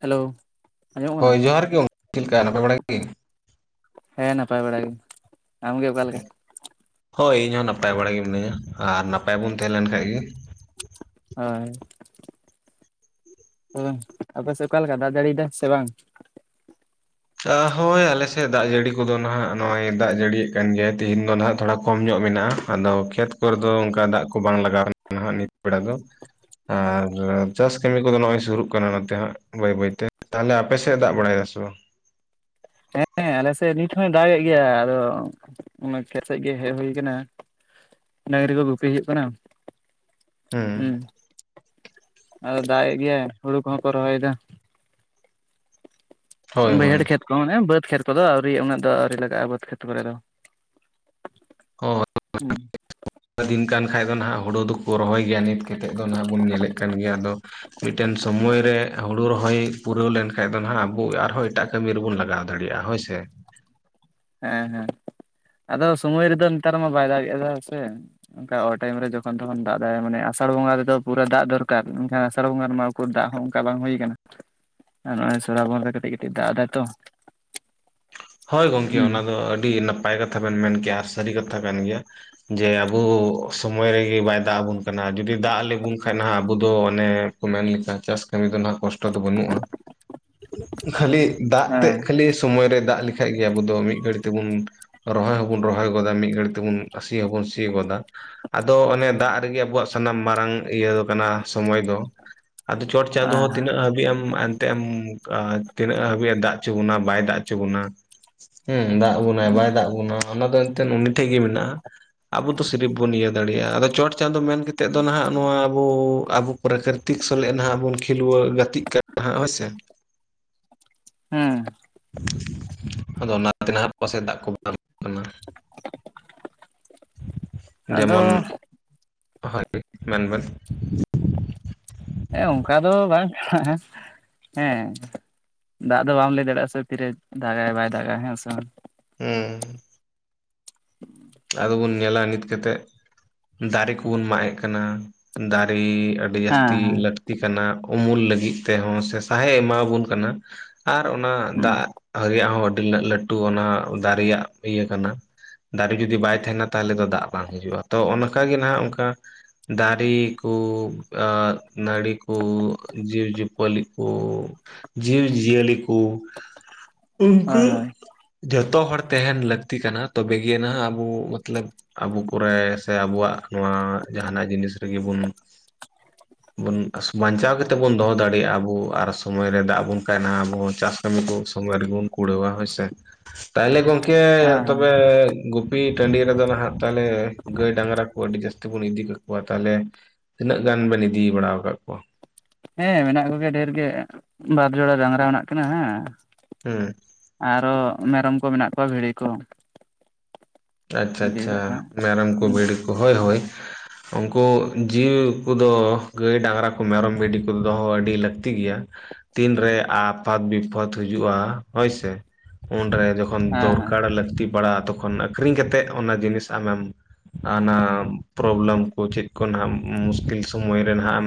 Hello ᱟᱸᱡᱚᱢᱚᱜ ᱠᱟᱱᱟ ᱦᱳᱭ ᱡᱚᱦᱟᱸᱨ ᱜᱤ, ᱪᱮᱫ ᱞᱮᱠᱟ ᱱᱟᱯᱟᱭ ᱵᱟᱲᱟ ᱜᱤ? ᱦᱮᱸ ᱱᱟᱯᱟᱭ ᱵᱟᱲᱟ ᱜᱮ ᱟᱢᱜᱮ ᱚᱠᱟ ᱞᱮᱠᱟ? ᱦᱳᱭ ᱤᱧ ᱦᱚᱸ ᱱᱟᱯᱟᱭ ᱵᱟᱲᱟ ᱜᱮ ᱢᱤᱱᱟᱹᱧᱟ ᱾ ᱟᱨ ᱱᱟᱯᱟᱭ ᱵᱚᱱ ᱛᱟᱦᱮᱸ ᱞᱮᱱ ᱠᱷᱟᱡ ᱜᱮ ᱦᱳᱭ ᱟᱯᱮ ᱥᱮᱫ ᱚᱠᱟ ᱞᱮᱠᱟ ᱫᱟᱜ ᱡᱟᱹᱲᱤᱭᱮᱫᱟᱭ ᱥᱮ ᱵᱟᱝ? ᱦᱳᱭ ᱟᱞᱮ ᱥᱮᱫ ᱫᱟᱜ ᱡᱟᱹᱲᱤ ᱠᱚ ᱫᱚ ᱱᱟᱦᱟᱜ ᱱᱚᱜᱼᱚᱭ ᱫᱟᱜ ᱡᱟᱹᱲᱤ ᱭᱮᱜ ᱠᱟᱱ ᱜᱮᱭᱟᱭ, ᱛᱤᱦᱤᱧ ᱫᱚ ᱱᱟᱦᱟᱜ ᱛᱷᱚᱲᱟ ᱠᱚᱢ ᱧᱚᱜ ᱢᱮᱱᱟᱜᱼᱟ ᱾ ᱟᱫᱚ ᱠᱷᱮᱛ ᱠᱚ ᱨᱮ ᱫᱚ ᱚᱱᱠᱟ ᱫᱟᱜ ᱠᱚ ᱵᱟᱝ ᱞᱟᱜᱟᱣ ᱠᱟᱱᱟ ᱱᱟᱦᱟᱜ ᱱᱤᱛ ᱵᱮᱲᱟ ᱫᱚ ᱾ ᱟᱨ ᱪᱟᱥ ᱠᱟᱹᱢᱤ ᱠᱚᱫᱚ ᱱᱚᱜᱚᱭ ᱥᱩᱨᱩᱜ ᱠᱟᱱᱟ ᱱᱚᱛᱮ ᱦᱟᱸᱜ, ᱵᱟᱹᱭ ᱵᱟᱹᱭ ᱛᱮ, ᱛᱟᱦᱚᱞᱮ ᱟᱯᱮᱥᱮᱫ ᱫᱟᱜ ᱵᱟᱲᱟᱭ ᱫᱟ ᱥᱮ ᱵᱟᱝ? ᱦᱮᱸ ᱟᱞᱮᱥᱮᱫ ᱱᱤᱛ ᱦᱚᱸᱭ ᱫᱟᱜ ᱮᱫ ᱜᱮᱭᱟ, ᱟᱫᱚ ᱠᱷᱮᱛ ᱥᱮᱡ ᱜᱮ ᱦᱮᱡ ᱦᱩᱭ ᱟᱠᱟᱱᱟ ᱾ ᱰᱟᱹᱟᱝᱨᱤ ᱠᱚ ᱜᱩᱯᱤ ᱦᱩᱭᱩᱜ ᱠᱟᱱᱟ ᱦᱩᱸ ᱦᱮᱸ ᱟᱫᱚ ᱫᱟᱜᱮᱫ ᱜᱮᱭᱟᱭ ᱦᱩᱲᱩ ᱠᱚᱦᱚᱸ ᱠᱚ ᱨᱚᱦᱚᱭ ᱮᱫᱟ᱾ ᱦᱳᱭ ᱦᱳᱭ ᱵᱟᱹᱭᱦᱟᱹᱲ ᱠᱷᱮᱛ ᱠᱚ ᱢᱟᱱᱮ ᱵᱟᱹᱫᱽ ᱠᱷᱮᱛ ᱠᱚᱫᱚ ᱟᱹᱣᱨᱤ ᱩᱱᱟᱹᱜ ᱫᱚ ᱟᱹᱣᱨᱤ ᱞᱟᱜᱟᱜᱼᱟ, ᱵᱟᱹᱫᱽ ᱠᱷᱮᱛ ᱠᱚᱨᱮ ᱫᱚ ᱾ [unintelligible] ᱠᱷᱟᱡ ᱫᱚ ᱦᱟᱜ ᱦᱩᱲᱳ ᱫᱚ ᱠᱚ ᱨᱚᱦᱚᱭ ᱜᱮᱭᱟ ᱱᱤᱛ ᱠᱟᱛᱮᱫ ᱫᱚ ᱱᱟᱦᱟᱜ ᱵᱚᱱ ᱧᱮᱞᱮᱫ ᱠᱟᱱ ᱜᱮᱭᱟ ᱟᱫᱚ, ᱢᱤᱫ ᱴᱮᱱ ᱥᱳᱢᱚᱭ ᱨᱮ ᱦᱩᱲᱩ ᱨᱚᱦᱚᱭ ᱯᱩᱨᱟᱹᱣ ᱞᱮᱱᱠᱷᱟᱱᱡ ᱫᱚ ᱱᱟᱦᱟᱜ ᱟᱵᱚ ᱟᱨᱦᱚᱸ ᱮᱴᱟᱜ ᱠᱟᱹᱢᱤ ᱨᱮᱵᱚᱱ ᱞᱟᱜᱟᱣ ᱫᱟᱲᱮᱭᱟᱜᱼᱟ ᱦᱳᱭ ᱥᱮ? ᱦᱮᱸ ᱦᱮᱸ ᱟᱫᱚ ᱥᱚᱢᱚᱭ ᱨᱮᱫᱚ ᱱᱮᱛᱟᱨ ᱢᱟ ᱵᱟᱭ ᱫᱟᱜᱮᱫᱟ ᱥᱮ ᱚᱱᱠᱟ ᱚ ᱴᱟᱭᱢ ᱨᱮ ᱡᱚᱠᱷᱚᱱ ᱛᱚᱠᱷᱚᱱ ᱫᱟᱜ ᱫᱟᱲᱭᱟᱜ ᱢᱟᱱᱮ ᱟᱥᱟᱲ ᱵᱚᱸᱜᱟ ᱨᱮᱫᱚ ᱯᱩᱨᱟᱹ ᱫᱟᱜ ᱫᱚᱨᱠᱟᱨ, ᱮᱱᱠᱷᱟᱱ ᱟᱥᱟᱲ ᱵᱚᱸᱜᱟ ᱨᱮᱢᱟ, ᱫᱟᱜ ᱦᱚᱸ ᱚᱱᱠᱟ ᱵᱟᱝ ᱦᱩᱭ ᱟᱠᱟᱱᱟ ᱾ ᱟᱨ ᱱᱚᱜᱼᱚᱭ ᱥᱚᱨᱵᱚᱱ ᱨᱮ ᱠᱟᱹᱴᱤᱡ ᱠᱟᱹᱴᱤᱡ ᱫᱟᱜ ᱮᱫᱟᱭ ᱛᱚ ᱾ ᱦᱳᱭ ᱜᱚᱝᱠᱮ ᱚᱱᱟ ᱫᱚ ᱟᱹᱰᱤ ᱱᱟᱯᱟᱭ ᱠᱟᱛᱷᱟ ᱵᱮᱱ ᱢᱮᱱ ᱠᱮᱭᱟ ᱟᱨ ᱥᱟᱹᱨᱤ ᱠᱟᱛᱷᱟ ᱠᱟᱱ ᱜᱮᱭᱟ᱾ ᱡᱮ ᱟᱵᱚ ᱥᱚᱢᱚᱭ ᱨᱮᱜᱮ ᱵᱟᱭ ᱫᱟᱜ ᱟᱵᱚᱱ ᱠᱟᱱᱟ ᱡᱩᱫᱤ ᱫᱟᱜ ᱟᱞᱮ ᱵᱚᱱ ᱠᱷᱟᱱ ᱱᱟᱦᱟᱜ ᱟᱵᱚ ᱫᱚ ᱢᱟᱱᱮ ᱢᱮᱱ ᱞᱮᱠᱷᱟᱱ ᱪᱟᱥ ᱠᱟᱹᱢᱤ ᱫᱚ ᱱᱟᱦᱟᱜ ᱠᱚᱥᱴᱚ ᱫᱚ ᱵᱟᱹᱱᱩᱜᱼᱟ᱾ [unintelligible] ᱠᱷᱟᱹᱞᱤ ᱫᱟᱜ ᱛᱮ ᱦᱮᱸ ᱠᱷᱟᱹᱞᱤ ᱥᱚᱢᱚᱭᱨᱮ ᱫᱟᱜ ᱞᱮᱠᱷᱟᱡ ᱜᱮ ᱟᱵᱚ ᱢᱤᱫ ᱜᱷᱟᱹᱲᱤ ᱛᱮᱵᱚᱱ ᱨᱚᱦᱚᱭ ᱦᱚᱸᱵᱚᱱ ᱨᱚᱦᱚᱭ ᱜᱚᱫᱟ ᱢᱤᱫ ᱜᱷᱟᱹᱲᱤᱡ ᱛᱮᱵᱚᱱ ᱥᱤ ᱦᱚᱵᱚᱱ ᱥᱤ ᱜᱚᱫᱟ᱾ ᱟᱫᱚ ᱚᱱᱮ ᱫᱟᱜ ᱨᱮᱜᱮ ᱟᱵᱚᱣᱟᱜ ᱥᱟᱱᱟᱢ ᱢᱟᱨᱟᱝ ᱤᱭᱟᱹ ᱠᱟᱱᱟ᱾ ᱥᱚᱢᱚᱭ ᱫᱚ ᱟᱫᱚ ᱪᱚᱴ ᱪᱟᱸᱫᱚ ᱦᱚᱸ ᱦᱮᱸ ᱛᱤᱱᱟᱹᱜ ᱦᱟᱹᱵᱤᱡ ᱮᱢ ᱛᱮᱮᱢ ᱛᱤᱱᱟᱹᱜ ᱦᱟᱹᱵᱤᱡ ᱮ ᱫᱟᱜᱪᱚ ᱵᱚᱱᱟ ᱵᱟᱭ ᱫᱟᱜ ᱚᱪᱚ ᱵᱚᱱᱟ ᱦᱮᱸ ᱫᱟᱜ ᱟ ᱵᱚᱱᱟᱭ ᱵᱟᱭ ᱫᱟᱜ ᱵᱚᱱᱟ ᱚᱱᱟ ᱫᱚ ᱮᱱᱛᱮ ᱩᱱᱤ ᱴᱷᱮᱡ ᱜᱮ ᱢᱮᱱᱟᱜᱼᱟ᱾ ᱟᱵᱚ ᱫᱚ ᱥᱤᱨᱤᱯ ᱵᱚᱱ ᱤᱭᱟᱹ ᱫᱟᱲᱮᱭᱟᱜᱼᱟ ᱟᱫᱚ ᱪᱚᱴ ᱪᱟᱸᱫᱚᱳ ᱢᱮᱱᱠᱟᱛᱮ ᱫᱚ ᱱᱟᱦᱟᱜ ᱱᱚᱣᱟ ᱟᱵᱚ ᱟᱵᱚ ᱯᱨᱟᱠᱨᱤᱛᱤᱠ ᱥᱟᱞᱮ ᱱᱟᱦᱟᱜ ᱵᱚᱱ ᱠᱷᱮᱞ ᱜᱟᱛᱮᱜ ᱠᱟᱱᱟ ᱦᱳᱭᱥᱮ ᱦᱩᱸ [unintelligible] ᱟᱫᱚ ᱚᱱᱟᱛᱮ ᱱᱟᱦᱟᱜ ᱯᱟᱥᱮᱡ ᱫᱟᱜ ᱠᱚ ᱵᱟᱝ ᱠᱟᱱᱟ ᱟᱫᱚ ᱦᱚᱭ ᱢᱮᱱᱵᱤᱱ ᱦᱮᱸ ᱚᱱᱠᱟ ᱫᱚ ᱵᱟᱝᱟ ᱦᱮᱸ ᱫᱟᱜ ᱫᱚ ᱵᱟᱢ ᱞᱟᱹᱭ ᱫᱟᱲᱮᱭᱟᱜᱼᱟ ᱥᱮ ᱛᱤᱨᱮ ᱫᱟᱜ ᱟᱭ ᱵᱟᱭ ᱫᱟᱜ ᱟ ᱦᱮᱸ ᱥᱮ ᱦᱮᱸ [unintelligible] ᱟᱫ ᱵᱩᱱ ᱧᱮᱞᱟ ᱱᱤᱛ ᱠᱟᱛᱮᱜ ᱫᱟᱨᱮ ᱠᱚᱵᱩᱱ ᱢᱟᱜ ᱮᱫ ᱠᱟᱱᱟ ᱫᱟᱨᱮ ᱟᱹᱰᱤ ᱦᱮᱸ ᱡᱟᱹᱥᱛᱤ ᱦᱮᱸ ᱞᱟᱹᱠᱛᱤ ᱠᱟᱱᱟ ᱩᱢᱩᱞ ᱞᱟᱹᱜᱤᱫ ᱛᱮᱦᱚᱸ ᱥᱮ ᱥᱟᱦᱮᱫ ᱮᱢᱟᱵᱚᱱ ᱠᱟᱱᱟ᱾ ᱟᱨ ᱚᱱᱟ ᱦᱩᱸ ᱫᱟᱜ ᱨᱮᱭᱟᱜ ᱦᱚᱸ ᱟᱹᱰᱤ ᱞᱟᱹᱴᱩ ᱚᱱᱟ ᱫᱟᱨᱮ ᱨᱮᱭᱟᱜ ᱤᱭᱟᱹ ᱠᱟᱱᱟ ᱫᱟᱨᱮ ᱡᱩᱫᱤ ᱵᱟᱭ ᱛᱟᱦᱮᱱᱟ ᱛᱟᱦᱚᱞᱮ ᱫᱚ ᱫᱟᱜ ᱵᱟᱝ ᱦᱤᱡᱩᱜᱼᱟ ᱛᱚ ᱚᱱᱠᱟᱜ ᱜᱮ ᱦᱟᱜ ᱚᱱᱠᱟ ᱫᱟᱨᱮ ᱠᱚ ᱱᱟᱹᱲᱤ ᱠᱚ ᱡᱤᱵᱽᱡᱤᱭᱟᱹᱯᱞᱤ ᱠᱚ ᱡᱤᱵᱽᱡᱤᱭᱟᱹᱞᱤ ᱠᱚ ᱩᱱᱠᱩ ᱦᱳᱭ ᱦᱳᱭ ᱡᱚᱛᱚ ᱦᱚᱲ ᱛᱟᱦᱮᱱ ᱞᱟᱹᱠᱛᱤ ᱠᱟᱱᱟ ᱛᱚᱵᱮᱜᱮ ᱱᱟᱦᱟᱜ ᱟᱵᱚ ᱢᱚᱛᱞᱚᱵ ᱟᱵᱩ ᱠᱚᱨᱮᱫ ᱥᱮ ᱟᱵᱩᱣᱟᱜ ᱱᱚᱣᱟ ᱡᱟᱦᱟᱸᱟᱱᱟᱜ ᱡᱤᱱᱤᱥ ᱨᱮᱜᱮᱵᱩᱱ [unintelligible] ᱵᱩᱱ ᱵᱟᱧᱪᱟᱣ ᱠᱟᱛᱮ ᱵᱩᱱ ᱫᱚᱦᱚ ᱫᱟᱲᱮᱭᱟᱜᱼᱟ ᱟᱵᱩ ᱟᱨ ᱥᱚᱢᱚᱭ ᱨᱮ ᱫᱟᱜ ᱵᱚᱱ ᱠᱟᱭᱱᱟ ᱟᱵᱚ ᱪᱟᱥ ᱠᱟᱹᱢᱤ ᱠᱚ ᱥᱚᱢᱚᱭ ᱨᱮᱜᱮ ᱵᱚᱱ ᱠᱩᱲᱟᱹᱣᱟ ᱦᱳᱭᱥᱮ ᱛᱟᱦᱚᱞᱮ ᱜᱚᱝᱠᱮ ᱦᱮᱸ ᱦᱮᱸ ᱛᱚᱵᱮ ᱜᱩᱯᱤ ᱴᱟᱺᱰᱤ ᱨᱮᱫᱚ ᱱᱟᱦᱟᱜ ᱛᱟᱦᱚᱞᱮ ᱜᱟᱹᱭ ᱰᱟᱝᱨᱟᱣ ᱠᱚ ᱟᱹᱰᱤ ᱡᱟᱹᱥᱛᱤ ᱵᱚᱱ ᱤᱫᱤ ᱠᱟᱠᱚᱣᱟ ᱛᱟᱦᱚᱞᱮ ᱛᱤᱱᱟᱹᱜ ᱜᱟᱱ ᱵᱮᱱ ᱤᱫᱤ ᱵᱟᱲᱟ ᱟᱠᱟᱫ ᱠᱚᱣᱟ ᱦᱮᱸ ᱢᱮᱱᱟᱜ ᱠᱚᱜᱮᱭᱟ ᱰᱷᱮᱨ ᱜᱮ ᱵᱟᱨ ᱡᱚᱲᱟ ᱰᱟᱝᱨᱟ ᱢᱮᱱᱟᱜ ᱠᱤᱱᱟ ᱦᱮ ᱦᱮᱸ ᱟᱨᱚ ᱢᱮᱨᱚᱢ ᱠᱚ ᱢᱮᱱᱟᱜ ᱠᱚᱣᱟ ᱵᱷᱤᱲᱤ ᱠᱚ ᱟᱪᱪᱷᱟ ᱤᱫᱤ ᱟᱪᱪᱷᱟ ᱠᱟᱜ ᱠᱚᱣᱟ ᱢᱮᱨᱚᱢ ᱠᱚ ᱦᱮᱸ ᱵᱷᱤᱰᱤ ᱠᱚ ᱦᱳᱭ ᱦᱳᱭ ᱩᱱᱠᱩ ᱡᱤᱣᱤ ᱠᱚᱫᱚ ᱜᱟᱹᱭ ᱰᱟᱝᱨᱟ ᱠᱚ ᱢᱮᱨᱚᱢ ᱵᱷᱤᱰᱤ ᱠᱚ ᱫᱚᱦᱚ ᱟᱹᱰᱤ ᱞᱟᱹᱠᱛᱤ ᱜᱮᱭᱟ᱾ ᱛᱤᱱᱨᱮ ᱟᱯᱟᱛ ᱵᱤᱯᱚᱫ ᱦᱤᱡᱩᱜᱼᱟ ᱦᱳᱭ ᱥᱮ ᱩᱱᱨᱮ ᱡᱚᱼᱼ ᱛᱚᱠᱷᱚᱱ ᱦᱮᱸ ᱫᱚᱨᱠᱟᱨ ᱞᱟᱹᱠᱛᱤ ᱯᱟᱲᱟᱜᱼᱟ ᱛᱚᱠᱷᱚᱱ ᱟᱹᱠᱷᱨᱤᱧ ᱠᱟᱛᱮᱫ ᱚᱱᱟ ᱡᱤᱱᱤᱥ ᱟᱢᱮᱢ ᱟᱱᱟ ᱯᱨᱚᱵᱞᱮᱢ ᱠᱚ ᱪᱮᱫ ᱠᱚ ᱱᱟᱦ ᱢᱩᱥᱠᱤᱞ ᱥᱚᱢᱚᱭ ᱨᱮ ᱱᱟᱜ ᱮᱢ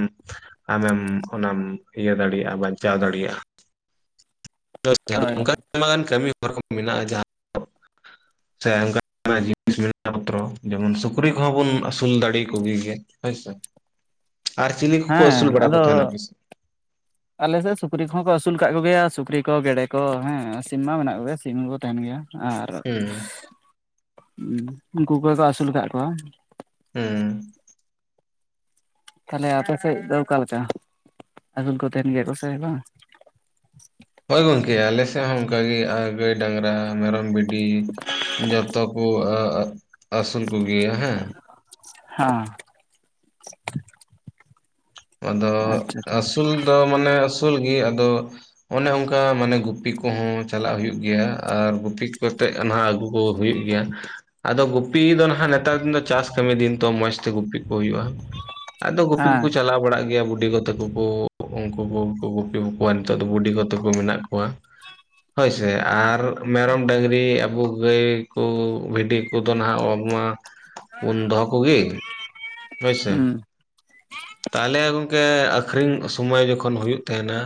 ᱟᱢᱮᱢ ᱚᱱᱟᱢ ᱤᱭᱟᱹ ᱫᱟᱲᱮᱭᱟᱜᱼᱟ ᱵᱟᱧᱪᱟᱣ ᱫᱟᱲᱮᱭᱟᱜᱼᱟ᱾ ᱦᱳᱭ [unintelligible] ᱠᱟᱹᱢᱤ ᱦᱚᱨ ᱠᱚ ᱢᱮᱱᱟᱜᱼᱟ ᱡᱟᱦᱟᱸ ᱥᱮ ᱚᱱᱠᱟᱱᱟᱜ ᱡᱤᱱᱤᱥ ᱢᱮᱱᱟᱜ [unintelligible] ᱡᱮᱢᱚᱱ ᱥᱩᱠᱨᱤ ᱠᱚᱦᱚᱸ ᱵᱚᱱ ᱟᱹᱥᱩᱞ ᱫᱟᱲᱮ ᱠᱚᱜᱮ ᱜᱮᱭᱟ ᱦᱳᱭᱥᱮ ᱟᱨ ᱪᱤᱞᱤ ᱠᱚᱠᱚ ᱟᱹᱥᱩᱞ ᱦᱮᱸ ᱵᱟᱲᱟ ᱠᱚ ᱛᱟᱦᱮᱱᱟ ᱟᱯᱮ ᱥᱮᱫ ᱟᱞᱮᱥᱮᱫ ᱥᱩᱠᱨᱤ ᱠᱚᱦᱚᱸ ᱠᱚ ᱟᱹᱥᱩᱞ ᱠᱟᱫ ᱠᱚᱜᱮᱭᱟ ᱥᱩᱠᱨᱤ ᱠᱚ ᱜᱮᱰᱮ ᱠᱚ ᱦᱮᱸ ᱥᱤᱢ ᱢᱟ ᱢᱮᱱᱟᱜ ᱠᱚᱜᱮᱭᱟ ᱥᱤᱢ ᱦᱚᱸᱠᱚ ᱛᱟᱦᱮᱱ ᱜᱮᱭᱟ ᱟᱨ ᱦᱩᱸ ᱩᱱᱠᱩ ᱠᱚᱜᱮ ᱠᱚ ᱟᱹᱥᱩᱞ ᱟᱠᱟᱫ ᱠᱚᱣᱟ ᱾ ᱦᱩᱸ ᱛᱟᱦᱚᱞᱮ ᱟᱯᱮ ᱥᱮᱫ ᱫᱚ ᱚᱠᱟᱞᱮᱠᱟ ᱟᱹᱥᱩᱞ ᱠᱚ ᱛᱟᱦᱮᱱ ᱜᱮᱭᱟ ᱠᱚ ᱥᱮ ᱵᱟᱝ ᱦᱚᱭ ᱜᱚᱝᱠᱮ ᱟᱞᱮᱥᱮᱫ ᱦᱚᱸ ᱚᱱᱠᱟᱜᱮ ᱟ ᱜᱟᱹᱭ ᱰᱟᱝᱨᱟ ᱢᱮᱨᱚᱢ ᱵᱷᱤᱰᱤ [unintelligible] [unintelligible] ᱟᱥᱩᱞ ᱠᱚᱜᱮᱭᱟ ᱦᱮᱸ ᱦᱮᱸ ᱟᱫᱚ ᱟᱪᱪᱷᱟ ᱟᱪᱪᱷᱟ ᱟᱹᱥᱩᱞ ᱫᱚ ᱢᱟᱱᱮ ᱟᱹᱥᱩᱞ ᱜᱮ ᱟᱫᱚ ᱚᱱᱮ ᱚᱱᱠᱟ ᱢᱟᱱᱮ ᱜᱩᱯᱤ ᱠᱚᱦᱚᱸ ᱪᱟᱞᱟᱜ ᱦᱩᱭᱩᱜ ᱜᱮᱭᱟ ᱟᱨ ᱜᱩᱯᱤ ᱠᱟᱛᱮᱫ [unintelligible] ᱟᱹᱜᱩ ᱠᱚ ᱦᱩᱭᱩᱜ ᱜᱮᱭᱟ ᱟᱫᱚ ᱜᱩᱯᱤ ᱫᱚ ᱱᱟᱦᱟᱜ ᱱᱮᱛᱟᱨ ᱫᱤᱱ ᱫᱚ ᱪᱟᱥ ᱠᱟᱹᱢᱤ ᱫᱤᱱ ᱛᱚ ᱢᱚᱸᱡᱽᱛᱮ ᱜᱩᱯᱤ ᱠᱚ ᱦᱩᱭᱩᱜᱼᱟ ᱾ ᱟᱫᱚ ᱜᱳᱯᱤ ᱦᱮᱸ ᱠᱚᱠᱚ ᱪᱟᱞᱟᱣ ᱵᱟᱲᱟᱜ ᱜᱮᱭᱟ ᱵᱩᱰᱤᱜᱚ ᱛᱟᱠᱚ ᱠᱚ ᱩᱱᱠᱩ ᱠᱚᱠᱚ ᱜᱩᱯᱤ ᱠᱚᱣᱟ ᱱᱤᱛᱚᱜ ᱫᱚ ᱵᱩᱰᱤᱜᱚ ᱛᱟᱠᱚ ᱢᱮᱱᱟᱜ ᱠᱚᱣᱟ ᱦᱳᱭ ᱥᱮ ᱟᱨ ᱢᱮᱨᱚᱢ ᱰᱟᱹᱝᱨᱤ ᱟᱵᱚ ᱜᱟᱹᱭ ᱠᱚ ᱵᱷᱤᱰᱤ ᱠᱚᱫᱚ ᱱᱟᱜ [unintelligible] ᱢᱟ ᱩᱱ ᱫᱚᱦᱚ ᱠᱚᱜᱮ ᱦᱳᱭᱥᱮ ᱦᱩᱸ ᱛᱟᱦᱚᱞᱮ ᱜᱚᱝᱠᱮ ᱟᱠᱷᱨᱤᱧ ᱥᱚᱢᱚᱭ ᱡᱚᱠᱷᱚᱱ ᱦᱩᱭᱩᱜ ᱛᱟᱦᱮᱱᱟ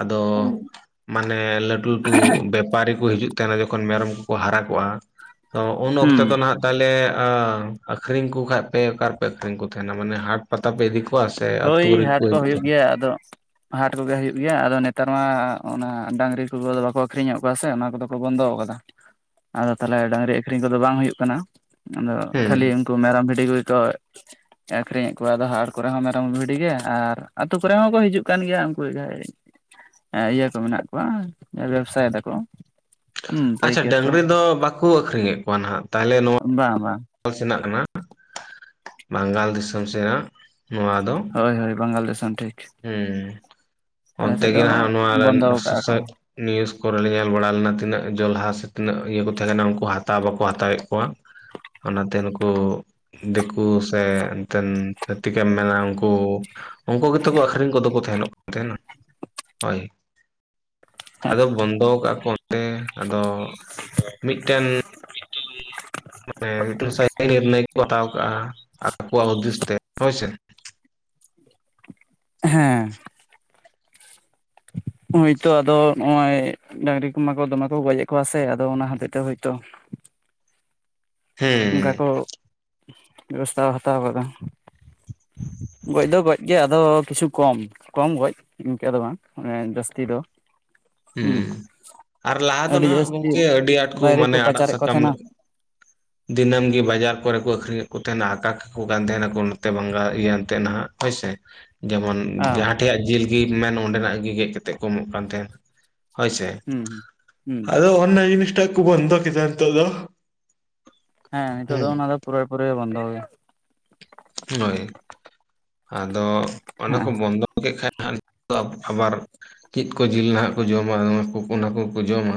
ᱟᱫᱚ [inaudible] ᱢᱟᱱᱮ ᱞᱟᱹᱴᱩ ᱞᱟᱹᱴᱩ ᱵᱮᱯᱟᱨᱤ ᱠᱚ ᱦᱤᱡᱩᱜ ᱛᱟᱦᱮᱱᱟ ᱡᱚᱠᱷᱚᱱ ᱢᱮᱨᱚᱢ ᱠᱚᱠᱚ ᱦᱟᱨᱟ ᱠᱚᱜᱼᱟ ᱛᱚ ᱩᱱ ᱚᱠᱛᱮ ᱦᱩᱸ ᱫᱚ ᱱᱟᱜ ᱛᱟᱦᱚᱞᱮ ᱟᱠᱷᱨᱤᱧ ᱠᱚ ᱠᱷᱟᱡ ᱯᱮ ᱚᱠᱟ ᱨᱮᱯᱮ ᱟᱠᱷᱨᱤᱧ ᱠᱚ ᱛᱟᱦᱮᱱᱟ ᱢᱟᱱᱮ ᱦᱟᱴ ᱯᱟᱛᱟ ᱯᱮ ᱤᱫᱤ ᱠᱚᱣᱟ ᱥᱮ ᱟᱹᱛᱩ ᱨᱮᱠᱚ ᱦᱤᱡᱩᱜᱼᱼ ᱦᱮᱸ ᱟᱫᱚ ᱦᱟᱴ ᱠᱚᱜᱮ ᱦᱩᱭᱩᱜ ᱜᱮᱭᱟ ᱟᱫᱚ ᱱᱮᱛᱟᱨ ᱢᱟ ᱚᱱᱟ ᱰᱟᱹᱝᱨᱤ ᱠᱚ ᱵᱟᱠᱚ ᱟᱠᱷᱨᱤᱧᱮᱫ ᱠᱚᱣᱟ ᱥᱮ ᱚᱱᱟ ᱠᱚᱫᱚ ᱠᱚ ᱵᱚᱱᱫᱚ ᱟᱠᱟᱫᱟ ᱟᱫᱚ ᱛᱟᱦᱚᱞᱮ ᱰᱟᱹᱝᱨᱤ ᱟᱠᱷᱨᱤᱧ ᱠᱚᱫᱚ ᱵᱟᱝ ᱦᱩᱭᱩᱜ ᱠᱟᱱᱟ ᱟᱫᱚ ᱦᱮᱸ ᱠᱷᱟᱹᱞᱤ ᱩᱱᱠᱩ ᱢᱮᱨᱚᱢ ᱵᱷᱤᱰᱤ ᱠᱚᱜᱮ ᱠᱚ ᱟᱠᱷᱨᱤᱧᱮᱫ ᱠᱚᱣᱟ ᱟᱫᱚ ᱦᱟᱴ ᱠᱚᱨᱮ ᱦᱚᱸ ᱢᱮᱨᱚᱢ ᱵᱷᱤᱰᱤ ᱜᱮ ᱟᱨ ᱟᱹᱛᱩ ᱠᱚᱨᱮ ᱦᱚᱸᱠᱚ ᱦᱤᱡᱩᱜ ᱠᱟᱱ ᱜᱮᱭᱟ ᱩᱱᱠᱩ ᱦᱟᱠᱷᱟᱡ ᱤᱭᱟᱹ ᱠᱚ ᱢᱮᱱᱟᱜ ᱠᱚᱣᱟ ᱵᱮᱵᱥᱟᱭ ᱫᱟᱠᱚ ᱦᱩᱸ ᱟᱪᱪᱷᱟ ᱯᱟᱹᱭᱠᱟᱹᱨ ᱠᱚ ᱰᱟᱹᱝᱨᱤ ᱫᱚ ᱵᱟᱠᱚ ᱟᱠᱷᱨᱤᱧᱮᱫ ᱠᱚᱣᱟ ᱦᱟᱜ ᱛᱟᱦᱞᱮ ᱱᱚᱣᱟ ᱵᱟᱝ ᱵᱟᱝ ᱥᱮᱱᱟᱜ ᱠᱟᱱᱟ ᱵᱟᱝᱜᱟᱞ ᱫᱤᱥᱚᱢ ᱥᱮᱱᱟᱜ ᱱᱚᱣᱟ ᱫᱚ ᱦᱳᱭ ᱦᱳᱭ ᱵᱟᱝᱜᱟᱞ ᱫᱤᱥᱚᱢ ᱴᱷᱤᱠ ᱦᱩᱸ ᱟᱞᱮ ᱚᱱᱛᱮ ᱥᱮᱫ ᱫᱚ ᱜᱮ ᱱᱟᱦᱟᱜ ᱱᱚᱣᱟ ᱫᱚ ᱵᱚᱱᱫᱚ ᱠᱟᱜᱼᱟ ᱠᱚ [unintelligible] ᱱᱤᱭᱩᱥ ᱠᱚᱨᱮ ᱞᱮ ᱧᱮᱞ ᱵᱟᱲᱟ ᱞᱮᱱᱟ ᱛᱤᱱᱟᱹᱜ ᱡᱚᱞᱦᱟ ᱥᱮ ᱛᱤᱱᱟᱹᱜ ᱤᱭᱟᱹ ᱠᱚ ᱛᱟᱦᱮᱸ ᱠᱟᱱᱟ ᱩᱱᱠᱩ ᱦᱟᱼᱼ ᱛᱟᱣ ᱵᱟᱠᱚ ᱦᱟᱛᱟᱣᱮᱫ ᱠᱚᱣᱟ ᱚᱱᱟᱛᱮ ᱱᱩᱠᱩ ᱫᱤᱠᱩ ᱥᱮ ᱮᱱᱛᱮᱱ ᱪᱷᱟᱹᱛᱤᱠ ᱮᱢ ᱢᱮᱱᱟ ᱩᱱᱠᱩ ᱩᱱᱠᱩ [unintelligible] ᱟᱹᱠᱷᱨᱤᱧ ᱠᱚᱫᱚ ᱠᱚ ᱛᱟᱦᱮᱱᱚᱜ ᱠᱟᱱ ᱛᱟᱦᱮᱱᱟ ᱦᱳᱭ ᱟᱫᱚ ᱵᱚᱱᱫᱚ ᱠᱟᱜᱼᱟ ᱠᱚ ᱚᱱᱮ ᱟᱫᱚ ᱢᱤᱫᱴᱟᱱ [inaudible] ᱢᱟᱱᱮ ᱢᱤᱫᱴᱮᱱ [unintelligible] ᱠᱚ ᱦᱟᱛᱟᱣ ᱠᱟᱜᱼᱟ ᱟᱠᱚᱣᱟᱜ ᱦᱩᱫᱤᱥ ᱛᱮ ᱦᱳᱭ ᱥᱮ ᱦᱮᱸ ᱦᱳᱭᱛᱚ ᱟᱫᱚ ᱱᱚᱼᱚᱭ ᱰᱹᱟᱝᱨᱤ ᱠᱚᱢᱟ ᱠᱚ ᱫᱚᱢᱮ ᱠᱚ ᱜᱚᱡ ᱮᱫ ᱠᱚᱣᱟ ᱥᱮ ᱟᱫᱚ ᱚᱱᱟ ᱦᱚᱛᱮᱡ ᱛᱮ ᱦᱳᱭᱛᱚ ᱚᱱᱠᱟ ᱦᱮᱸ ᱠᱚ ᱵᱮᱵᱚᱥᱛᱷᱟ ᱦᱟᱛᱟᱣ ᱠᱟᱫᱟ ᱜᱚᱡ ᱫᱚ ᱜᱚᱡ ᱜᱮ ᱟᱫᱚ ᱠᱤᱪᱷᱩ ᱠᱚᱢ ᱠᱚᱢ ᱜᱚᱡ ᱤᱱᱠᱟᱹ ᱫᱚ ᱵᱟᱝ ᱚᱱᱮ ᱡᱟᱹᱥᱛᱤ ᱫᱚ ᱦᱩᱸ ᱟᱨ ᱞᱟᱦᱟ ᱫᱚ ᱟᱹᱰᱤ ᱱᱟᱦᱟᱜ ᱡᱟᱹᱥᱛᱤ ᱜᱚᱢᱠᱮ ᱟᱹᱰᱤ ᱟᱸᱴ ᱠᱚ ᱵᱟᱭᱨᱮ ᱢᱟᱱᱮ ᱟᱲᱟᱜ ᱯᱟᱪᱟᱨᱮᱫ ᱠᱚ ᱥᱟᱠᱟᱢ ᱛᱟᱦᱮᱱᱟ ᱞᱮᱠ [inaudible] ᱫᱤᱱᱟᱹᱢ ᱜᱮ ᱵᱟᱡᱟᱨ ᱠᱚᱨᱮ ᱠᱚ ᱟᱠᱷᱨᱤᱧᱮᱫ ᱠᱚ ᱛᱟᱦᱮᱱᱟ ᱟᱠᱟ ᱠᱟᱠᱚ ᱠᱟᱱ ᱛᱟᱦᱮᱱᱟᱠᱚ ᱱᱚᱛᱮ ᱵᱟᱝᱜᱟᱨ ᱤᱭᱟᱹ ᱮᱱᱛᱮ ᱱᱟᱦᱟᱜ ᱦᱳᱭᱥᱮ ᱡᱮᱢᱚᱱ ᱦᱮᱸ ᱡᱟᱦᱟᱸᱴᱷᱮᱭᱟᱜ ᱡᱤᱞ ᱜᱮᱢ ᱢᱮᱱ ᱚᱸᱰᱮᱱᱟᱜ ᱜᱮ ᱜᱮᱫ ᱠᱟᱛᱮᱜ ᱠᱚ ᱮᱢᱚᱜ ᱠᱟᱱ ᱛᱮᱦᱮᱸ ᱦᱳᱭ ᱥᱮ ᱦᱩᱸ ᱦᱩᱸ ᱟᱫᱚ ᱚᱱᱟ ᱡᱤᱱᱤᱥᱴᱟᱜ ᱠᱚ ᱵᱚᱱᱫᱚ ᱠᱮᱫᱟ ᱱᱤᱛᱚᱜ ᱫᱚ ᱦᱮᱸ ᱱᱤᱛᱚᱜ ᱫᱚ ᱦᱩᱸ ᱚᱱᱟ ᱫᱚ ᱯᱩᱨᱟᱹ ᱯᱩᱨᱟᱹᱣ ᱵᱚᱱᱫᱚ ᱦᱩᱭᱱᱟ ᱦᱳᱭ ᱟᱫᱚ ᱚᱱᱟ ᱠᱚ ᱵᱚᱱᱫᱚ ᱠᱮᱫ ᱠᱷᱟᱱ ᱫᱚ ᱟᱵᱟᱨ ᱪᱮᱫ ᱠᱚ ᱡᱤᱞ ᱱᱟᱦᱟᱜ ᱠᱚ ᱡᱚᱢᱟ ᱚᱱᱟ ᱠᱚᱠᱚ, ᱚᱱᱟ ᱠᱚᱠᱚ ᱡᱚᱢᱟ,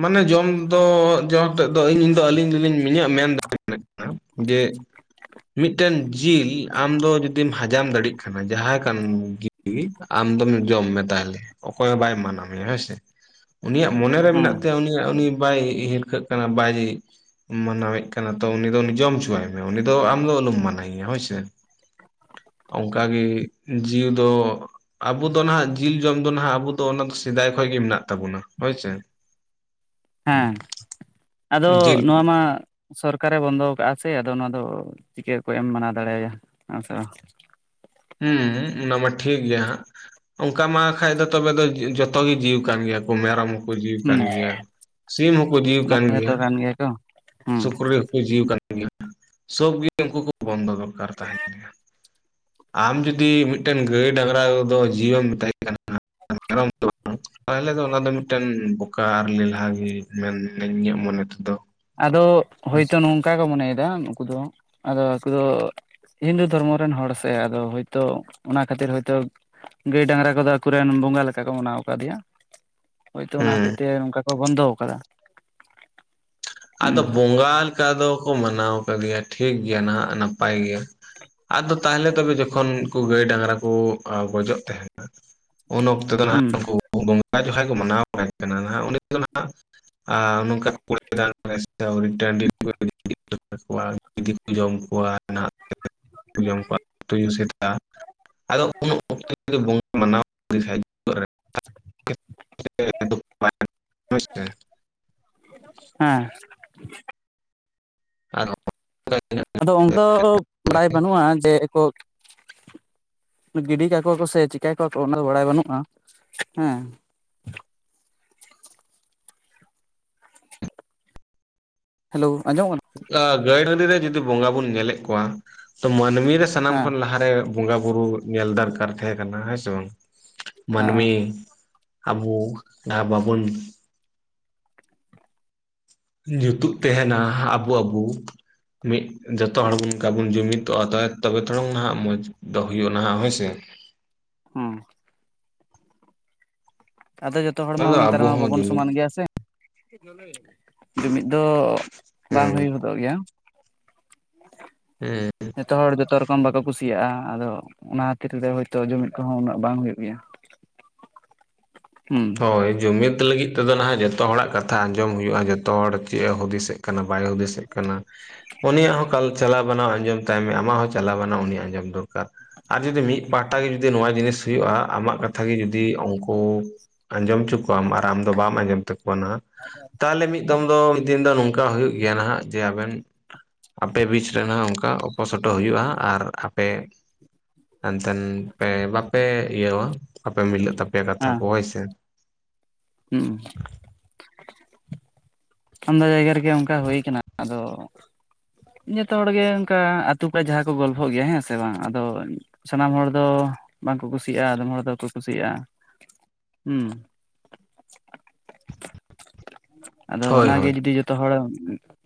ᱢᱟᱱᱮ ᱡᱚᱢ ᱫᱚ ᱡᱚᱢᱛᱮᱫ ᱫᱚ ᱤᱧ ᱫᱚ ᱟᱹᱞᱤᱧ ᱫᱚᱞᱤᱧ ᱤᱧᱟᱹᱜ ᱢᱮᱱᱫᱚ ᱡᱮ ᱢᱤᱫᱴᱮᱱ ᱡᱤᱞ ᱟᱢ ᱫᱚ ᱡᱩᱫᱤᱢ ᱦᱟᱡᱟᱢ ᱫᱟᱲᱤᱜ, ᱠᱟᱱᱟ ᱡᱟᱦᱟᱸ ᱠᱟᱱ ᱜᱮ ᱟᱢ ᱫᱚᱢ ᱡᱚᱢ ᱢᱮ ᱛᱟᱦᱚᱞᱮ᱾ ᱚᱠᱚᱭᱦᱚᱸ ᱵᱟᱭ ᱢᱟᱱᱟ, ᱢᱮᱭᱟ ᱦᱮᱸᱥᱮ ᱩᱱᱤᱭᱟᱜ ᱢᱚᱱᱮᱨᱮ ᱦᱮᱸ ᱢᱮᱱᱟᱜ ᱛᱟᱭᱟ ᱩᱱᱤᱭᱟᱜ ᱩᱱᱤ ᱵᱟᱭ ᱦᱤ ᱦᱤᱨᱠᱟᱹᱜ ᱠᱟᱱᱟ ᱵᱟᱭ ᱢᱟᱱᱟᱣᱮᱫ ᱠᱟᱱᱟ ᱛᱚ ᱩᱱᱤ ᱫᱚ ᱩᱱᱤ ᱡᱚᱢ ᱦᱚᱪᱚᱣᱟᱭ ᱢᱮ ᱩᱱᱤ ᱫᱚ ᱟᱢ ᱫᱚ ᱟᱞᱚᱢ ᱢᱟᱱᱟᱭ ᱭᱟ ᱦᱳᱭᱥᱮ᱾ ᱚᱝᱠᱟᱜᱮ ᱡᱤᱣᱤ ᱫᱚ ᱟᱵᱚ ᱫᱚ ᱱᱟᱦᱟᱜ ᱡᱤᱞ ᱡᱚᱢ ᱫᱚ ᱱᱟᱦᱟᱜ ᱟᱵᱚ ᱫᱚ ᱚᱱᱟ ᱫᱚ ᱥᱮᱫᱟᱭ ᱠᱷᱚᱱ ᱜᱮ ᱢᱮᱱᱟᱜ ᱛᱟᱵᱚᱱᱟ ᱦᱳᱭᱥᱮ᱾ ᱦᱮᱸ ᱟᱫᱚ ᱡᱤᱞ ᱱᱚᱣᱟ ᱢᱟ ᱥᱚᱨᱠᱟᱨᱮ ᱵᱚᱱᱫᱚ ᱣᱟᱠᱟᱜᱼᱟ ᱥᱮ ᱟᱫᱚ ᱱᱚᱣᱟ ᱫᱚ ᱪᱤᱠᱟᱹ ᱠᱚ ᱮᱢ ᱢᱟᱱᱟ ᱫᱟᱲᱮ ᱭᱟᱭᱟ ᱦᱮᱸ ᱥᱮ ᱵᱟ? ᱦᱩᱸ ᱚᱱᱟᱢᱟ ᱴᱷᱤᱠ ᱜᱮᱭᱟ ᱦᱟᱸᱜ, ᱚᱝᱠᱟ ᱢᱟ ᱠᱷᱟᱡ ᱫᱚ ᱛᱚᱵᱮ ᱫᱚ ᱡᱚᱛᱚ ᱜᱮ ᱡᱤᱣᱤ ᱠᱟᱱ ᱜᱮᱭᱟ ᱠᱚ ᱢᱮᱨᱚᱢ ᱡᱤᱣᱤ ᱠᱟᱱ ᱦᱩᱸ ᱜᱮᱭᱟ ᱥᱤᱢ ᱦᱚᱸᱠᱚ ᱡᱤᱣᱤ ᱚᱱᱟ ᱠᱟᱱ ᱜᱮᱭᱟ ᱦᱚᱭᱛᱚ ᱠᱚ ᱦᱩᱸ ᱥᱩᱠᱨᱤ ᱦᱚᱸ ᱡᱤᱣᱤ ᱠᱟᱱ ᱜᱮᱭᱟ ᱥᱳᱵ ᱜᱤ ᱩᱱᱠᱩ ᱠᱚ ᱵᱚᱱᱫᱚ ᱫᱚᱨᱠᱟᱨ ᱛᱟᱦᱮᱸ ᱠᱟᱱ ᱜᱮᱭᱟ᱾ ᱟᱢ ᱡᱩᱫᱤ ᱢᱤᱫᱴᱮᱱ ᱜᱟᱹᱭ ᱰᱟᱝᱨᱟ ᱫᱚ ᱡᱤᱣᱤ ᱦᱚᱢ ᱢᱮᱛᱟᱭ ᱠᱟᱱᱟ, ᱢᱮᱨᱚᱢ ᱫᱚ ᱵᱟᱝ, ᱛᱟᱦᱚᱞᱮ ᱫᱚ ᱚᱱᱟ ᱫᱚ ᱢᱤᱫᱴᱮᱱ ᱵᱚᱠᱟ ᱟᱨ ᱞᱮᱞᱦᱟ ᱜᱮ ᱢᱮᱱ ᱱᱤᱱᱧᱟᱹᱜ ᱢᱚᱱᱮ ᱛᱮᱫᱚ᱾ ᱟᱫᱚ ᱦᱳᱭᱛᱚ ᱱᱚᱝᱠᱟ ᱠᱚ ᱢᱚᱱᱮ, ᱭᱮᱫᱟ ᱱᱩᱠᱩ ᱫᱚ ᱟᱫᱚ ᱟᱠᱩ ᱫᱚ, ᱦᱤᱱᱫᱩ ᱫᱷᱚᱨᱢᱚ ᱨᱮᱱ ᱦᱚᱲ ᱥᱮ ᱟᱫᱚ ᱦᱳᱭᱛᱚ ᱚᱱᱟ ᱠᱷᱟᱹᱛᱤᱨ ᱦᱳᱭᱛᱚ ᱜᱟᱹᱭ ᱰᱟᱝᱨᱟ ᱠᱚᱫᱚ ᱟᱠᱚᱨᱮᱱ ᱵᱚᱸᱜᱟ ᱞᱮᱠᱟ ᱠᱚ ᱢᱟᱱᱟᱣ ᱠᱟᱫᱮᱭᱟ, ᱦᱳᱭᱛᱳ ᱚᱱᱟ ᱦᱚᱛᱮᱡ ᱦᱮᱸ ᱛᱮ ᱱᱚᱝᱠᱟ ᱠᱚ ᱵᱚᱱᱫᱚ ᱟᱠᱟᱫᱟ᱾ ᱟᱫᱚ ᱦᱩᱸ ᱵᱚᱸᱜᱟ ᱞᱮᱠᱟ ᱫᱚᱠᱚ ᱢᱟᱱᱟᱣ ᱠᱟᱜᱮᱭᱟ ᱴᱷᱤᱠ ᱜᱮᱭᱟ ᱱᱟᱦᱟᱜ ᱱᱟᱯᱟᱭ ᱜᱮ, ᱟᱫᱚ ᱛᱟᱦᱮᱞᱮ ᱛᱚᱵᱮ ᱡᱚᱠᱷᱚᱱ ᱠᱚ ᱜᱟᱹᱭ ᱰᱟᱝᱨᱟ ᱠᱚ ᱜᱚᱡᱚᱜ ᱛᱟᱦᱮᱸᱱᱟ ᱩᱱ ᱚᱠ ᱚᱛ ᱫᱚ ᱱᱟᱜ ᱦᱩᱸ ᱩᱱᱠᱩ ᱵᱚᱸᱜᱟ ᱡᱚᱠᱷᱚᱭ ᱠᱚ ᱢᱟᱱᱟᱣ ᱠᱟᱱᱟ ᱚᱸᱰᱮ ᱫᱚ ᱱᱟᱦᱟᱜ ᱟᱸ ᱱᱚᱝᱠᱟ [inaudible] ᱜᱤᱫᱤ ᱠᱚ ᱡᱚᱢ ᱠᱚᱣᱟ᱾ ᱱᱟᱜ ᱡᱚᱢᱠᱚᱣᱟ ᱛᱩᱭᱩ ᱥᱮᱛᱟ ᱟᱫᱚ ᱩᱱ ᱚᱠᱛᱚ ᱨᱮ ᱵᱚᱸ ᱢᱟᱱᱟᱣ [inaudible] ᱦᱳᱭᱥᱮ? ᱦᱮᱸ ᱟᱫᱚ ᱟᱫᱚ ᱚᱱᱫᱚ ᱵᱟᱲᱟᱭ ᱵᱟᱹᱱᱩᱜᱼᱟ ᱡᱮ ᱠᱚ ᱜᱤᱰᱤ ᱠᱟᱠᱚᱣᱟ ᱠᱚ ᱥᱮ ᱪᱤᱠᱟᱹ ᱠᱚᱣᱟ ᱠᱚ ᱚᱱᱟ ᱫᱚ ᱵᱟᱲᱟᱭ ᱵᱟᱹᱱᱩᱜᱼᱟ ᱦᱮᱸ᱾ ᱦᱮᱞᱳ ᱟᱸᱡᱚᱢ ᱠᱟᱱᱟ? ᱜᱟᱹᱭ ᱰᱟᱹᱱᱰᱤᱨᱮ ᱡᱩᱫᱤ ᱵᱚᱸᱜᱟ ᱵᱩᱱ ᱧᱮᱞᱮᱫ ᱠᱚᱣᱟ ᱛᱚ ᱢᱟᱹᱱᱢᱤ ᱨᱮ ᱥᱟᱱᱟᱢ ᱠᱟᱱᱟ ᱦᱮᱸ ᱠᱷᱚᱱ ᱞᱟᱦᱟᱨᱮ ᱵᱚᱸᱜᱟ ᱵᱩᱨᱩ ᱧᱮᱞ ᱫᱟᱨᱠᱟᱨ ᱛᱟᱦᱮᱸ ᱠᱟᱱᱟ ᱦᱮᱸ ᱥᱮ ᱵᱟᱝ? ᱢᱟᱹᱱᱢᱤ ᱦᱮᱸ ᱟᱵᱩ ᱡᱟᱦᱟᱸ ᱵᱟᱵᱩᱱ ᱡᱩᱛᱩᱜ ᱛᱮᱦᱮᱱᱟ ᱟᱵᱩ ᱟᱵᱩ ᱢᱤᱫ ᱡᱚᱛᱚ ᱦᱚᱲ ᱵᱩᱱ ᱛᱟᱵᱚᱱ ᱡᱩᱢᱤᱫᱚᱜᱼᱟ ᱛᱚᱵᱮ ᱛᱷᱚᱲᱚᱝ ᱱᱟᱜ ᱢᱚᱸᱡᱽ ᱫᱚ ᱦᱩᱭᱩᱜᱼᱟ ᱱᱟᱦᱟᱜ ᱦᱳᱭᱥᱮ? ᱦᱮᱸ ᱟᱫᱚ ᱡᱚᱛᱚ ᱦᱚᱲ ᱢᱟ ᱟᱫᱚ ᱱᱮᱛᱟᱨ ᱟᱵᱚ ᱢᱟ ᱦᱚᱸ ᱵᱟᱵᱚᱱ ᱡᱩᱢᱤᱫ ᱥᱚᱢᱟᱱ ᱜᱮᱭᱟ ᱥᱮ? ᱡᱩᱢᱤᱫ ᱫᱚ ᱵᱟᱝ ᱦᱩᱭ ᱦᱩᱸ ᱦᱚᱫᱚᱜ ᱜᱮᱭᱟ᱾ ᱦᱮᱸ ᱡᱚᱛᱚ ᱦᱚᱲ ᱡᱚᱛᱚ ᱨᱚᱠᱚᱢ ᱵᱟᱠᱚ ᱠᱩᱥᱤᱭᱟᱜ-ᱟ ᱟᱫᱚ ᱚᱱᱟ ᱠᱷᱟᱛᱤᱨ ᱫᱚ ᱦᱚᱭᱛᱚ ᱡᱩᱢᱤᱫ ᱠᱚᱦᱚᱸ ᱩᱱᱟᱹᱜ ᱵᱟᱝ ᱦᱩᱭᱩᱜ ᱜᱮᱭᱟ᱾ ᱦᱩᱸ ᱦᱳᱭ ᱡᱩᱢᱤᱫ ᱞᱟᱹᱜᱤᱫ ᱛᱮᱫᱚ ᱞᱟᱦᱟ ᱡᱚᱛᱚ ᱦᱚᱲᱟᱜ ᱠᱟᱛᱷᱟ ᱟᱸᱡᱚᱢ ᱦᱩᱭᱩᱜ-ᱟ ᱡᱚᱛᱚ ᱦᱚᱲ ᱪᱮᱫ ᱮ ᱦᱩᱫᱤᱥᱮᱫ ᱠᱟᱱᱟ ᱵᱟᱭ ᱦᱩᱫᱤᱥᱮᱫ ᱠᱟᱱᱟ ᱩᱱᱤᱭᱟᱜ ᱦᱚᱸ ᱠᱟᱞ ᱪᱟᱞᱟᱣ ᱵᱟᱱᱟᱣ ᱟᱸᱡᱚᱢ ᱛᱟᱭ ᱢᱮ ᱟᱢᱟᱜ ᱦᱚᱸ ᱪᱟᱞᱟᱣ ᱜᱟᱱᱚᱜ-ᱟ ᱩᱱᱤ ᱟᱸᱡᱚᱢ ᱫᱚᱨᱠᱟᱨ ᱟᱨ ᱡᱩᱫᱤ ᱢᱤᱫ ᱯᱟᱦᱴᱟ ᱜᱮ ᱡᱩᱫᱤ ᱱᱚᱣᱟ ᱡᱤᱱᱤᱥ ᱦᱩᱭᱩᱜ-ᱟ ᱟᱢᱟᱜ ᱠᱟᱛᱷᱟ ᱜᱮ ᱡᱩᱫᱤ ᱩᱝᱠᱩ ᱟᱸᱡᱚᱢ ᱪᱚ ᱠᱚᱣᱟᱢ ᱟᱨ ᱟᱢ ᱫᱚ ᱵᱟᱢ ᱟᱸᱡᱚᱢ ᱛᱟᱠᱚᱣᱟ ᱱᱟ ᱛᱟᱦᱞᱮ ᱢᱤᱫ ᱢᱤᱛᱫᱚᱢ ᱫᱚ ᱢᱤᱫ ᱫᱤᱱ ᱫᱚ ᱱᱚᱝᱠᱟ ᱦᱩᱭᱩᱜ ᱜᱮᱭᱟ ᱱᱟᱦᱟᱜ ᱡᱮ ᱟᱵᱮᱱ ᱟᱯᱮ ᱵᱤᱪ ᱨᱮᱱᱦᱚᱸ ᱚᱱᱠᱟ ᱚᱯᱚ, ᱥᱚᱰᱚᱜ ᱦᱩᱭᱩᱜᱼᱟ ᱟᱨ ᱟᱯᱮ ᱮᱱᱛᱮᱱ ᱯᱮ ᱵᱟᱯᱮ ᱤᱭᱟᱹᱣᱟ ᱟᱯᱮ ᱢᱤᱞᱟᱹᱜ ᱛᱟᱯᱮᱭᱟ ᱠᱟᱛᱷᱟ ᱦᱮᱸ ᱠᱚ ᱦᱳᱭᱥᱮ ᱦᱩᱸ ᱟᱢᱫᱟ ᱡᱟᱭᱜᱟᱨᱮ ᱜᱮ ᱚᱱᱠᱟ ᱦᱩᱭ ᱠᱟᱱᱟ ᱟᱫᱚ ᱡᱚᱛᱚ ᱦᱚᱲᱜᱮ ᱚᱱᱠᱟ ᱟᱹᱛᱩ ᱠᱚᱨᱮ ᱡᱟᱦᱟᱸ ᱠᱚ ᱜᱚᱞᱯᱷᱚᱜ ᱜᱮᱭᱟ ᱦᱮᱸ ᱥᱮ ᱵᱟᱝ ᱟᱫᱚ ᱥᱟᱱᱟᱢ ᱦᱚᱲ ᱫᱚ ᱵᱟᱝᱠᱚ ᱠᱩᱥᱤᱭᱟᱜ-ᱟ ᱟᱫᱚᱢ ᱦᱚᱲ ᱫᱚᱠᱚ ᱠᱩᱥᱤᱜ-ᱟ ᱦᱩᱸ ᱟᱫᱚ ᱦᱳᱭ ᱚᱱᱟᱜᱮ ᱦᱳᱭ ᱡᱩᱫᱤ ᱡᱚᱛᱚ ᱦᱚᱲ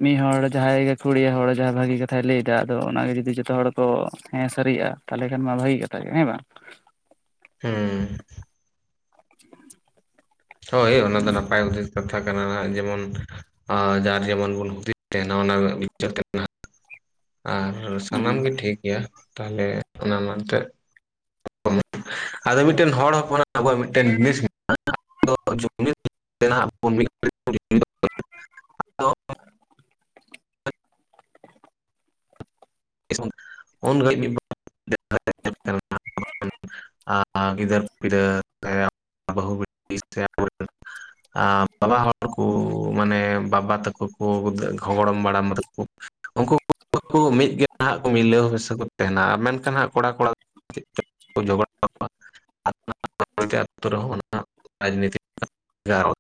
ᱢᱤᱫ ᱦᱚᱲ ᱡᱟᱦᱟᱸᱭ ᱜᱮ ᱠᱷᱩᱲᱤᱭᱟᱹ ᱦᱚᱲ ᱡᱟᱦᱟᱸᱭ ᱵᱷᱟᱹᱜᱤ ᱠᱟᱛᱷᱟᱭ ᱞᱟᱹᱭ ᱮᱫᱟ ᱟᱫᱚ ᱚᱱᱟᱜᱮ ᱡᱩᱫᱤ ᱡᱚᱛᱚ ᱦᱚᱲ ᱠᱚ ᱦᱮᱸ ᱥᱟᱹᱨᱤᱭᱜ-ᱟ ᱛᱟᱞᱦᱮ ᱠᱷᱟᱱ ᱢᱟ ᱵᱷᱟᱹᱜᱤ ᱠᱟᱛᱷᱟ ᱜᱮ ᱦᱮᱸ ᱵᱟᱝ [unintelligible] [inaudible] ᱦᱚᱭ ᱚᱱᱟ ᱫᱚ ᱱᱟᱯᱟᱭ ᱩᱫᱤᱥ ᱠᱟᱛᱷᱟ ᱠᱟᱱᱟ ᱡᱮᱢᱚᱱ ᱟᱸ ᱡᱟᱨ ᱡᱮᱢᱚᱱ ᱵᱚᱱ [inaudible] ᱛᱟᱦᱮᱱᱟ ᱚᱱᱟ ᱨᱮᱱᱟᱜ [inaudible] ᱠᱟᱱᱟ ᱟᱨ ᱥᱟᱱᱟᱢ ᱜᱮ ᱴᱷᱤᱠ ᱜᱮᱭᱟ ᱛᱟᱦᱞᱮ ᱚᱱᱟ ᱢᱟ ᱱᱤᱛᱚᱜ [inaudible] ᱟᱫᱚ ᱢᱤᱫᱴᱮᱱ ᱦᱚᱲ ᱦᱚᱞᱚᱱᱟᱜ ᱟᱵᱚᱣᱟᱜ ᱢᱤᱫᱴᱟᱹᱝ [inaudible] [inaudible] ᱩᱱ ᱜᱷᱟᱹᱲᱤᱡ ᱟ ᱟ ᱜᱤᱫᱟᱹᱨ ᱯᱤᱫᱟᱹᱨ [unintelligible] ᱟ ᱵᱟᱵᱟ ᱦᱚᱲ ᱠᱚ ᱢᱟᱱᱮ ᱵᱟᱵᱟ ᱛᱟᱠᱚ [inaudible] ᱩᱝᱠᱩ [inaudible] ᱢᱤᱫ ᱜᱮ ᱦᱟᱸᱜ ᱢᱤᱞᱟᱹᱣ ᱢᱮᱥᱟᱹ ᱥᱮ ᱠᱚ ᱛᱮᱦᱮᱱᱟ ᱟᱨ ᱢᱮᱱᱠᱷᱟᱱ ᱦᱟᱸᱜ ᱠᱚᱲᱟ ᱠᱚᱲᱟ [inaudible] [unintelligible]